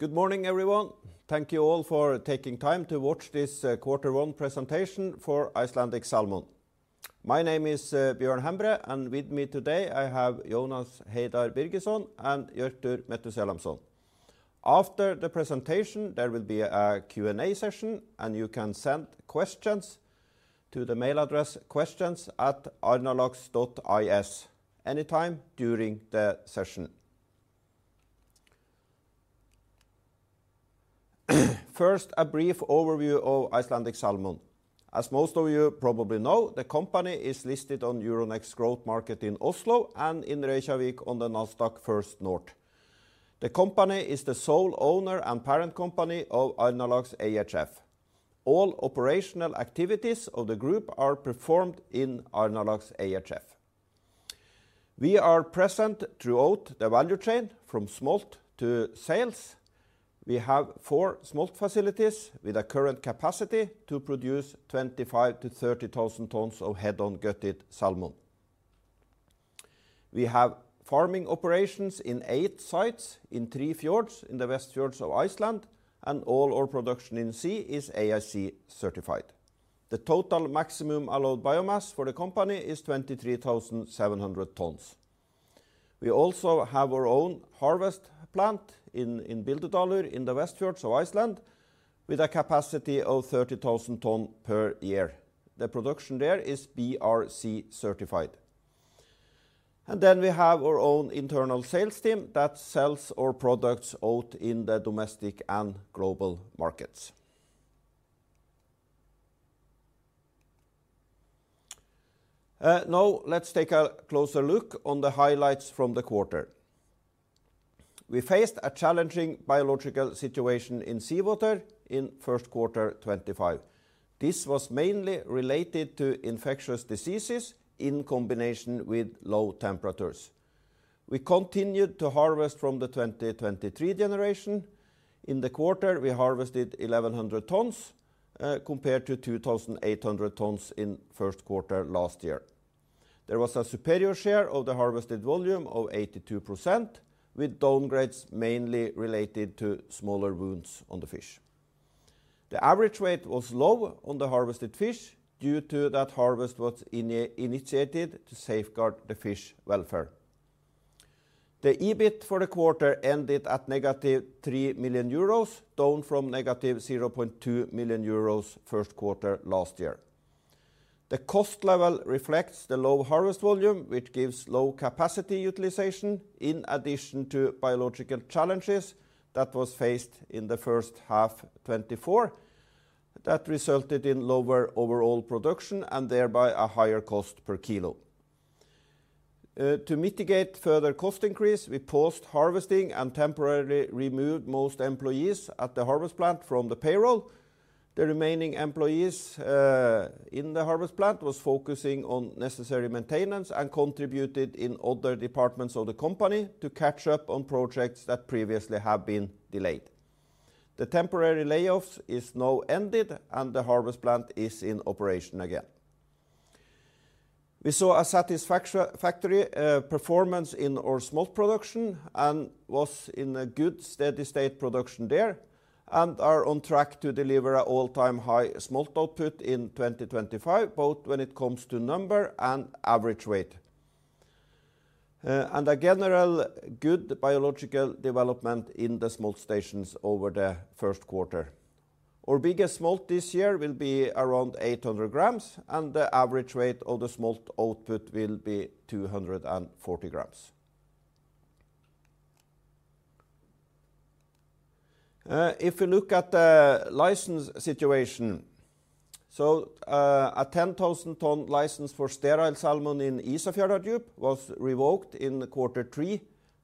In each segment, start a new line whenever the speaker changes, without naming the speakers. Good morning, everyone. Thank you all for taking time to watch this quarter-one presentation for Icelandic Salmon. My name is Björn Hembre, and with me today I have Jónas Heiðar Birgisson and Jörður Mettusson. After the presentation, there will be a Q&A session, and you can send questions to the mail address questions@arnarlax.is anytime during the session. First, a brief overview of Icelandic Salmon. As most of you probably know, the company is listed on Euronext Growth Market in Oslo and in Reykjavík on the Nasdaq First North. The company is the sole owner and parent company of Arnarlax ehf. All operational activities of the group are performed in Arnarlax ehf. We are present throughout the value chain, from smolt to sales. We have four smolt facilities with a current capacity to produce 25,000-30,000 tons of head-on gutted salmon. We have farming operations in eight sites in three fjords in the Westfjords of Iceland, and all our production in sea is AIC certified. The total maximum allowed biomass for the company is 23,700 tons. We also have our own harvest plant in Bíldudalur in the Westfjords of Iceland with a capacity of 30,000 tons per year. The production there is BRC certified. We have our own internal sales team that sells our products out in the domestic and global markets. Now let's take a closer look on the highlights from the quarter. We faced a challenging biological situation in seawater in first quarter 2025. This was mainly related to infectious diseases in combination with low temperatures. We continued to harvest from the 2023 generation. In the quarter, we harvested 1,100 tons compared to 2,800 tons in first quarter last year. There was a superior share of the harvested volume of 82%, with downgrades mainly related to smaller wounds on the fish. The average weight was low on the harvested fish due to that harvest was initiated to safeguard the fish welfare. The EBITd for the quarter ended at negative 3 million euros, down from negative 0.2 million euros first quarter last year. The cost level reflects the low harvest volume, which gives low capacity utilization in addition to biological challenges that were faced in the first half 2024 that resulted in lower overall production and thereby a higher cost per kilo. To mitigate further cost increase, we paused harvesting and temporarily removed most employees at the harvest plant from the payroll. The remaining employees in the harvest plant were focusing on necessary maintenance and contributed in other departments of the company to catch up on projects that previously have been delayed. The temporary layoffs have now ended, and the harvest plant is in operation again. We saw a satisfactory performance in our smolt production and were in a good steady-state production there and are on track to deliver an all-time high smolt output in 2025, both when it comes to number and average weight, and a general good biological development in the smolt stations over the first quarter. Our biggest smolt this year will be around 800 grams, and the average weight of the smolt output will be 240 grams. If we look at the license situation, a 10,000-ton license for sterile salmon in Ísafjörðardjúp was revoked in quarter three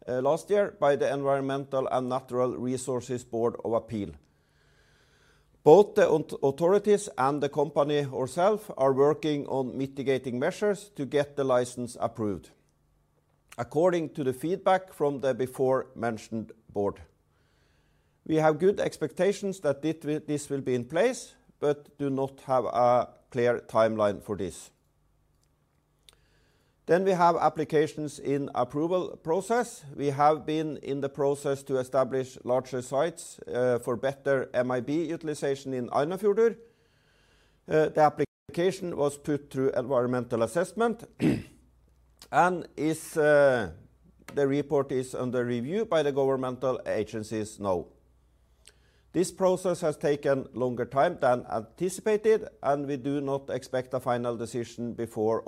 last year by the Environmental and Natural Resources Board of Appeal. Both the authorities and the company ourselves are working on mitigating measures to get the license approved, according to the feedback from the before-mentioned board. We have good expectations that this will be in place but do not have a clear timeline for this. We have applications in approval process. We have been in the process to establish larger sites for better MIB utilization in Arnafjörður. The application was put through environmental assessment, and the report is under review by the governmental agencies now. This process has taken longer time than anticipated, and we do not expect a final decision before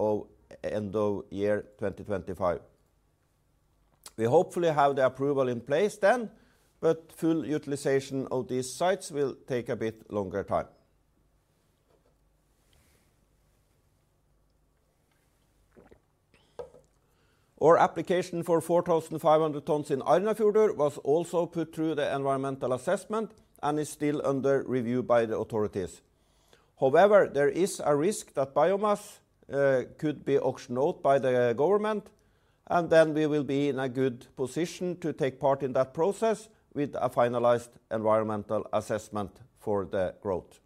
the end of year 2025. We hopefully have the approval in place then, but full utilization of these sites will take a bit longer time. Our application for 4,500 tons in Arnafjörður was also put through the environmental assessment and is still under review by the authorities. However, there is a risk that biomass could be auctioned out by the government, and then we will be in a good position to take part in that process with a finalized environmental assessment for the growth.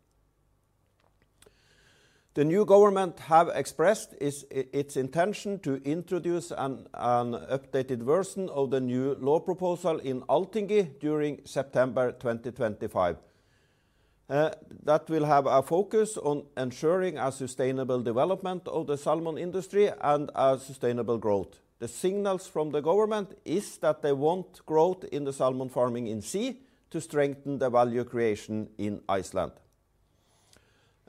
The new government has expressed its intention to introduce an updated version of the new law proposal in Althingi during September 2025. That will have a focus on ensuring a sustainable development of the salmon industry and sustainable growth. The signals from the government are that they want growth in the salmon farming in sea to strengthen the value creation in Iceland.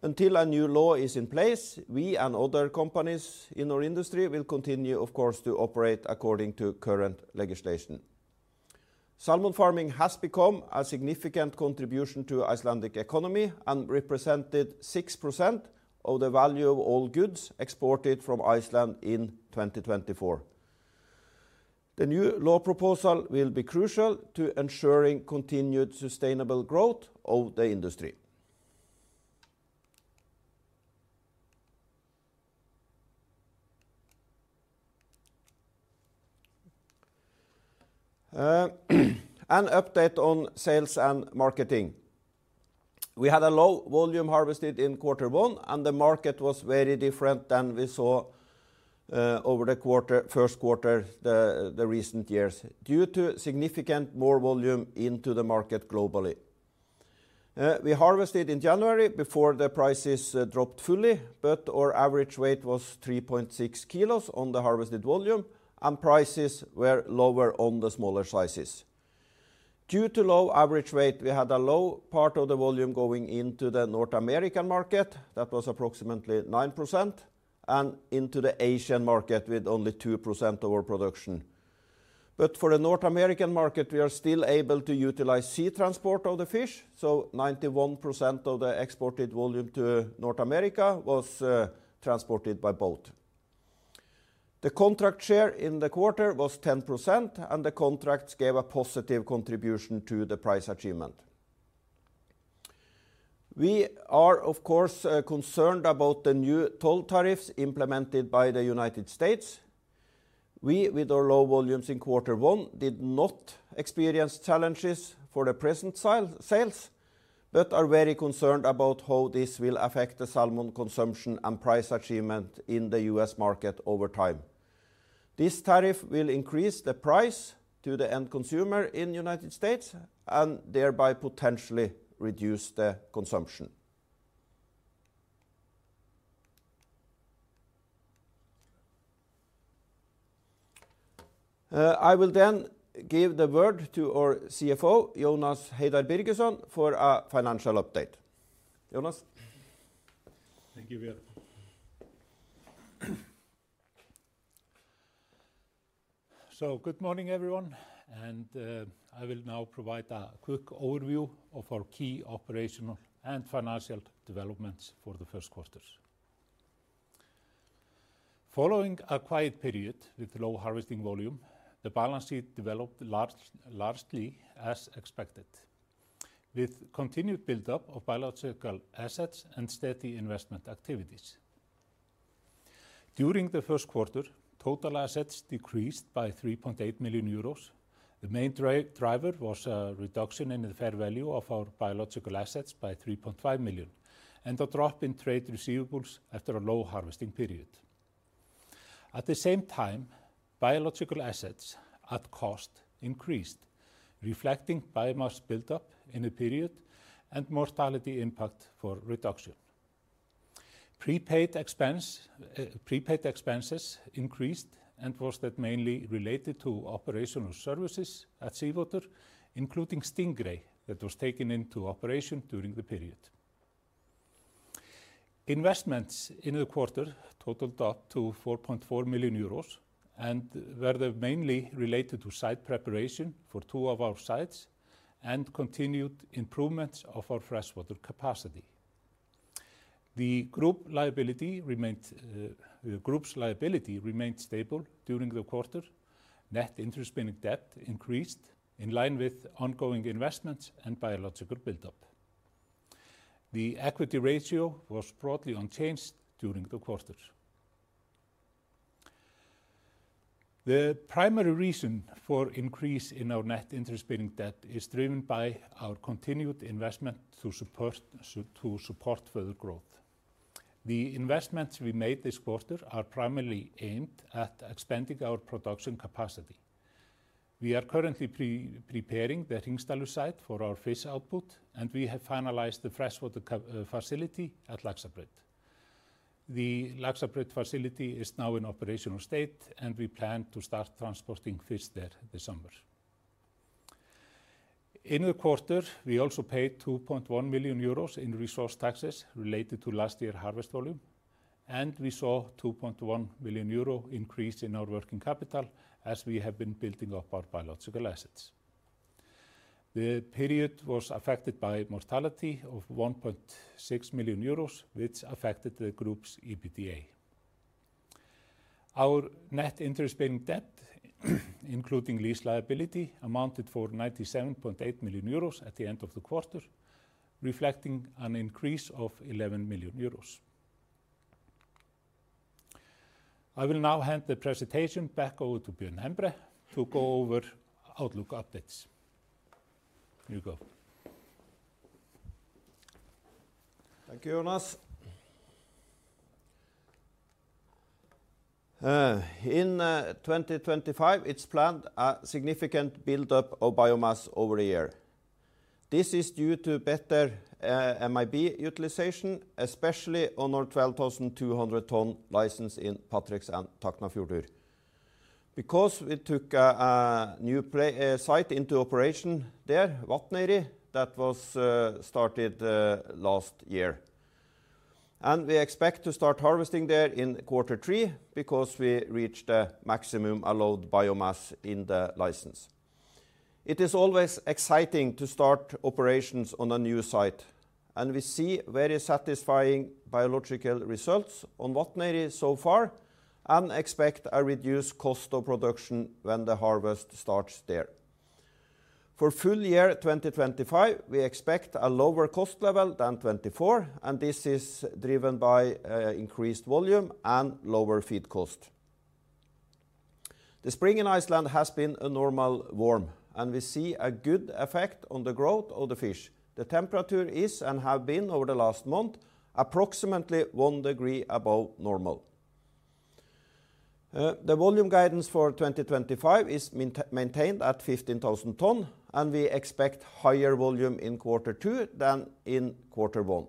Until a new law is in place, we and other companies in our industry will continue, of course, to operate according to current legislation. Salmon farming has become a significant contribution to the Icelandic economy and represented 6% of the value of all goods exported from Iceland in 2024. The new law proposal will be crucial to ensuring continued sustainable growth of the industry. An update on sales and marketing. We had a low volume harvested in quarter one, and the market was very different than we saw over the first quarter of the recent years due to significant more volume into the market globally. We harvested in January before the prices dropped fully, but our average weight was 3.6 kilos on the harvested volume, and prices were lower on the smaller sizes. Due to low average weight, we had a low part of the volume going into the North American market that was approximately 9% and into the Asian market with only 2% of our production. For the North American market, we are still able to utilize sea transport of the fish, so 91% of the exported volume to North America was transported by boat. The contract share in the quarter was 10%, and the contracts gave a positive contribution to the price achievement. We are, of course, concerned about the new toll tariffs implemented by the United States. We, with our low volumes in quarter one, did not experience challenges for the present sales, but are very concerned about how this will affect the salmon consumption and price achievement in the U.S. market over time. This tariff will increase the price to the end consumer in the United States and thereby potentially reduce the consumption. I will then give the word to our CFO, Jónas Heiðar Birgisson, for a financial update. Jónas.
Thank you, Björn. Good morning, everyone. I will now provide a quick overview of our key operational and financial developments for the first quarters. Following a quiet period with low harvesting volume, the balance sheet developed largely as expected, with continued build-up of biological assets and steady investment activities. During the first quarter, total assets decreased by 3.8 million euros. The main driver was a reduction in the fair value of our biological assets by 3.5 million, and a drop in trade receivables after a low harvesting period. At the same time, biological assets at cost increased, reflecting biomass build-up in the period and mortality impact for reduction. Prepaid expenses increased and were mainly related to operational services at SeaWater, including Stingray that was taken into operation during the period. Investments in the quarter totaled up to 4.4 million euros and were mainly related to site preparation for two of our sites and continued improvements of our freshwater capacity. The group's liability remained stable during the quarter. Net interest-bearing debt increased in line with ongoing investments and biological build-up. The equity ratio was broadly unchanged during the quarter. The primary reason for the increase in our net interest-bearing debt is driven by our continued investment to support further growth. The investments we made this quarter are primarily aimed at expanding our production capacity. We are currently preparing the Hringstaðir site for our fish output, and we have finalized the freshwater facility at Laxábrú. The Laxábrú facility is now in operational state, and we plan to start transporting fish there this summer. In the quarter, we also paid 2.1 million euros in resource taxes related to last year's harvest volume, and we saw a 2.1 million euro increase in our working capital as we have been building up our biological assets. The period was affected by mortality of 1.6 million euros, which affected the group's EBITDA. Our net interest-bearing debt, including lease liability, amounted to 97.8 million euros at the end of the quarter, reflecting an increase of 11 million euros. I will now hand the presentation back over to Björn Hembre to go over outlook updates. Here you go.
Thank you, Jónas. In 2025, it's planned a significant build-up of biomass over the year. This is due to better MIB utilization, especially on our 12,200-ton license in Patreksfjörður and Tálknafjörður, because we took a new site into operation there, Vatnæri, that was started last year. We expect to start harvesting there in quarter three because we reached the maximum allowed biomass in the license. It is always exciting to start operations on a new site, and we see very satisfying biological results on Vatnæri so far and expect a reduced cost of production when the harvest starts there. For full year 2025, we expect a lower cost level than 2024, and this is driven by increased volume and lower feed cost. The spring in Iceland has been a normal warm, and we see a good effect on the growth of the fish. The temperature is and has been over the last month approximately one degree above normal. The volume guidance for 2025 is maintained at 15,000 tons, and we expect higher volume in quarter two than in quarter one.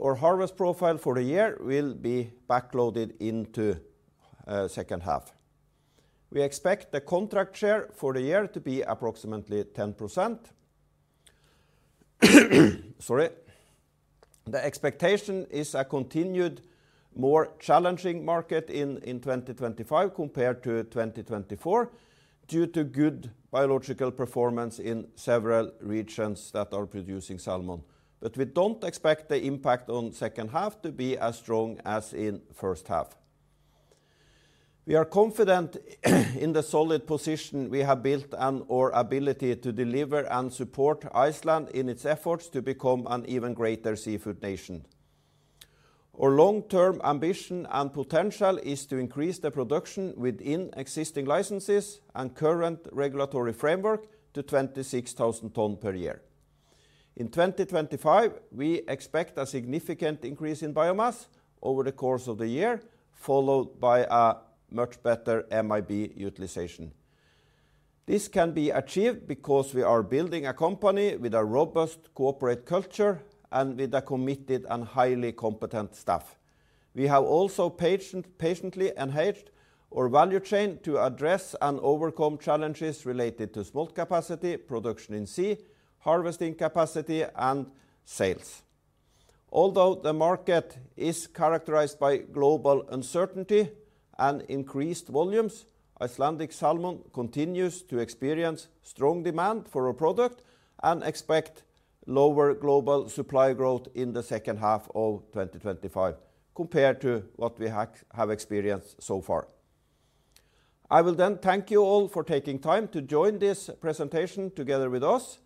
Our harvest profile for the year will be backloaded into the second half. We expect the contract share for the year to be approximately 10%. Sorry. The expectation is a continued more challenging market in 2025 compared to 2024 due to good biological performance in several regions that are producing salmon. We do not expect the impact on the second half to be as strong as in the first half. We are confident in the solid position we have built and our ability to deliver and support Iceland in its efforts to become an even greater seafood nation. Our long-term ambition and potential is to increase the production within existing licenses and current regulatory framework to 26,000 tons per year. In 2025, we expect a significant increase in biomass over the course of the year, followed by a much better MIB utilization. This can be achieved because we are building a company with a robust corporate culture and with a committed and highly competent staff. We have also patiently enhanced our value chain to address and overcome challenges related to smolt capacity, production in sea, harvesting capacity, and sales. Although the market is characterized by global uncertainty and increased volumes, Icelandic Salmon continues to experience strong demand for our product and expect lower global supply growth in the second half of 2025 compared to what we have experienced so far. I will then thank you all for taking time to join this presentation together with us.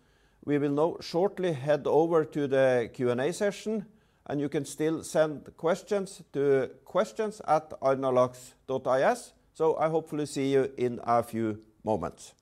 We will now shortly head over to the Q&A session, and you can still send questions to questions@arnarlax.is. I hopefully see you in a few moments.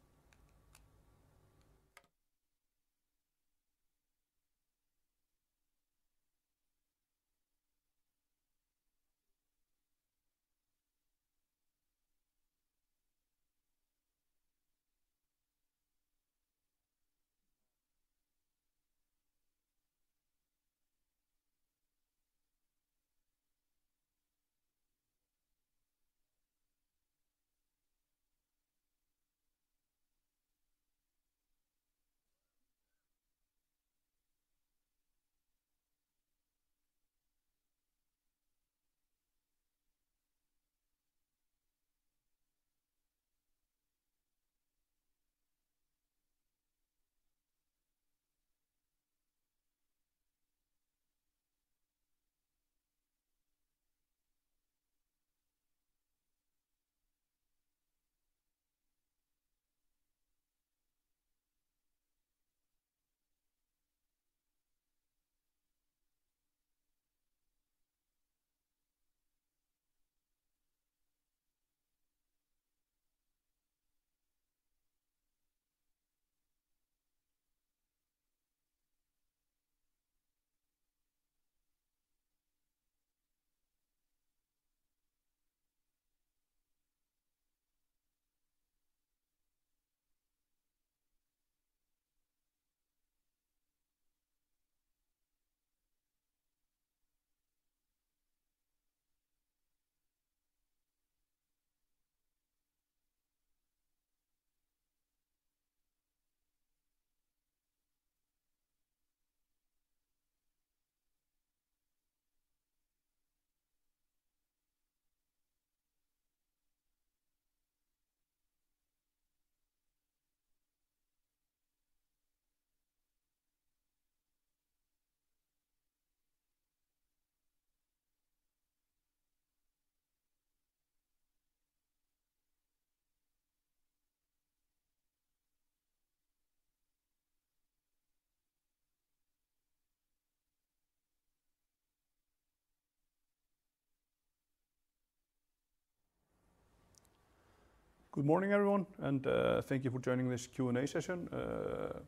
Good morning, everyone, and thank you for joining this Q&A session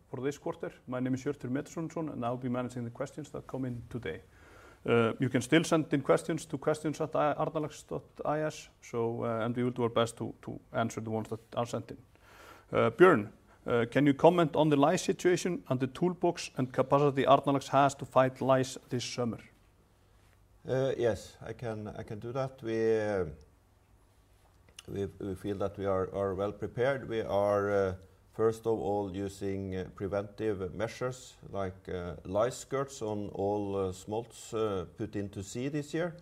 for this quarter. My name is Jörður Mettusson, and I'll be managing the questions that come in today. You can still send in questions to questions@arnarlax.is, and we will do our best to answer the ones that are sent in. Björn, can you comment on the lice situation and the toolbox and capacity Arnarlax has to fight lice this summer?
Yes, I can do that. We feel that we are well prepared. We are, first of all, using preventive measures like lice skirts on all smolts put into sea this year.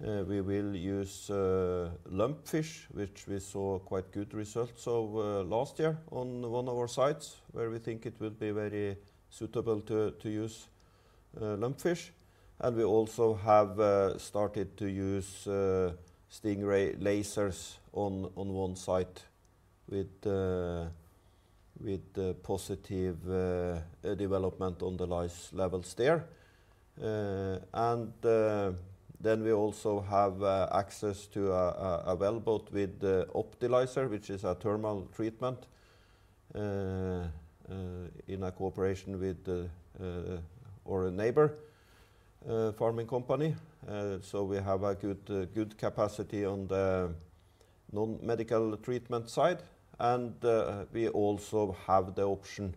We will use lumpfish, which we saw quite good results of last year on one of our sites, where we think it would be very suitable to use lumpfish. We also have started to use stingray lasers on one site with positive development on the lice levels there. We also have access to a well boat with OptiLaser, which is a thermal treatment in cooperation with our neighbor farming company. We have a good capacity on the non-medical treatment side. We also have the option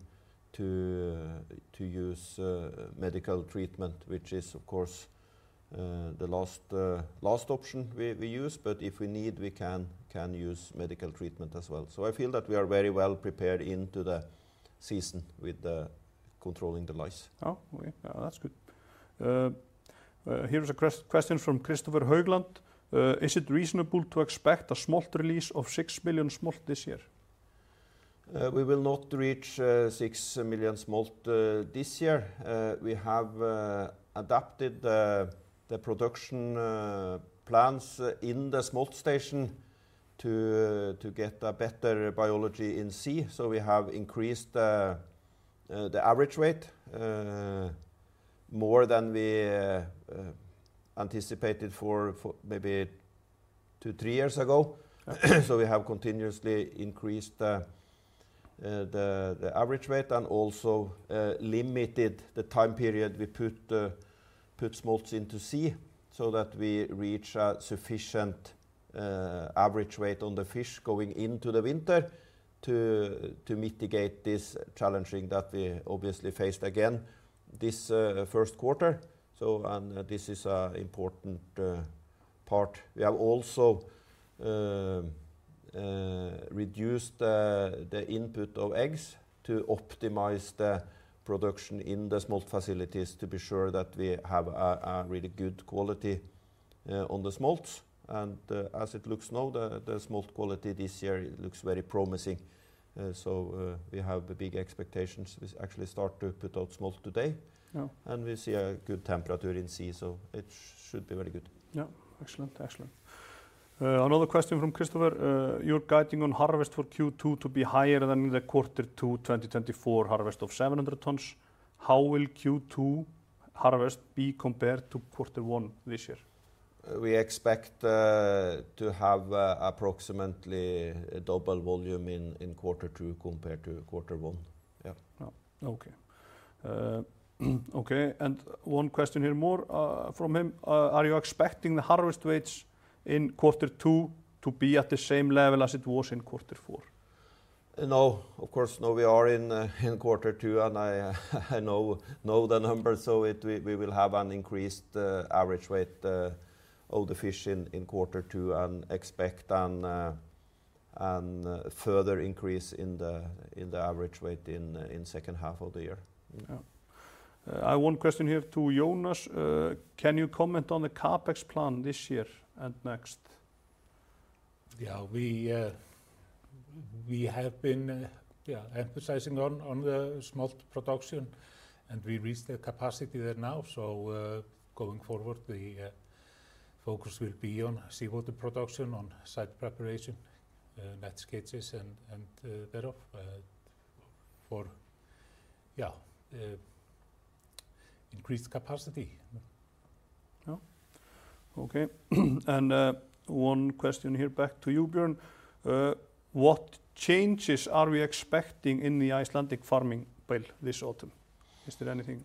to use medical treatment, which is, of course, the last option we use. If we need, we can use medical treatment as well. I feel that we are very well prepared into the season with controlling the lice.
Oh, that's good. Here is a question from Christopher Höglund. Is it reasonable to expect a smolt release of six million smolt this year?
We will not reach 6 million smolt this year. We have adapted the production plans in the smolt station to get a better biology in sea. We have increased the average weight more than we anticipated for maybe two or three years ago. We have continuously increased the average weight and also limited the time period we put smolts into sea so that we reach a sufficient average weight on the fish going into the winter to mitigate this challenging that we obviously faced again this first quarter. This is an important part. We have also reduced the input of eggs to optimize the production in the smolt facilities to be sure that we have a really good quality on the smolts. As it looks now, the smolt quality this year looks very promising. We have big expectations. We actually start to put out smolt today, and we see a good temperature in sea. It should be very good.
Yeah, excellent. Excellent. Another question from Christopher. You're guiding on harvest for Q2 to be higher than in the quarter two 2024 harvest of 700 tons. How will Q2 harvest be compared to quarter one this year?
We expect to have approximately a double volume in quarter two compared to quarter one. Yeah.
Okay. Okay. One question here more from him. Are you expecting the harvest weights in quarter two to be at the same level as it was in quarter four?
No, of course, no. We are in quarter two, and I know the numbers. We will have an increased average weight of the fish in quarter two and expect a further increase in the average weight in the second half of the year.
I have one question here to Jónas. Can you comment on the Coppetti plan this year and next?
Yeah, we have been emphasizing on the smolt production, and we reached the capacity there now. Going forward, the focus will be on seawater production, on site preparation, net sketches, and there for increased capacity.
Okay. One question here back to you, Björn. What changes are we expecting in the Icelandic farming this autumn? Is there anything?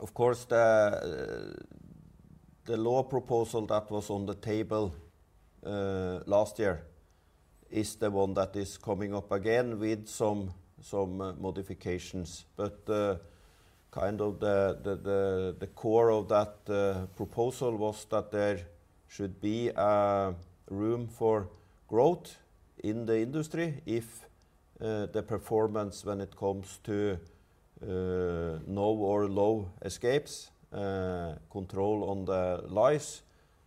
Of course, the law proposal that was on the table last year is the one that is coming up again with some modifications. Kind of the core of that proposal was that there should be room for growth in the industry if the performance when it comes to no or low escapes, control on the lice,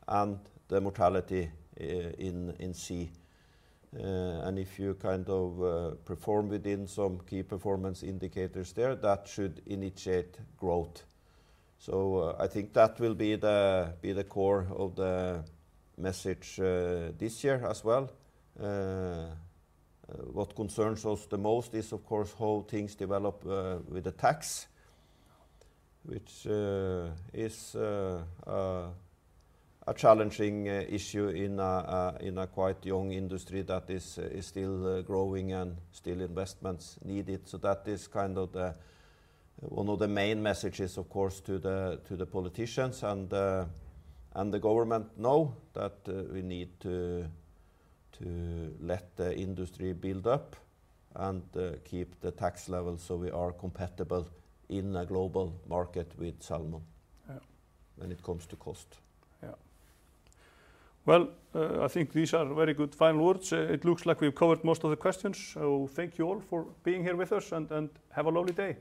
and the mortality in sea. If you kind of perform within some key performance indicators there, that should initiate growth. I think that will be the core of the message this year as well. What concerns us the most is, of course, how things develop with the tax, which is a challenging issue in a quite young industry that is still growing and still investments needed. That is kind of one of the main messages, of course, to the politicians and the government now that we need to let the industry build up and keep the tax level so we are compatible in a global market with salmon when it comes to cost.
Yeah. I think these are very good final words. It looks like we've covered most of the questions. Thank you all for being here with us and have a lovely day.